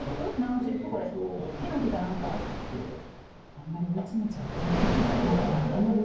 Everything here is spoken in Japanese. あんまり追い詰めちゃうから。